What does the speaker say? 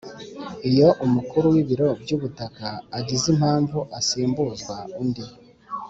Iyo Umukuru w Ibiro by Ubutaka agize impamvu asimbuzwa undi